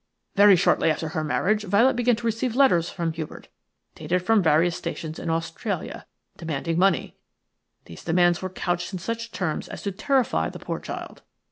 "Very shortly after her marriage Violet began to receive letters from Hubert, dated from various stations in Australia, demanding money. These demands were couched in such terms as to terrify the poor child.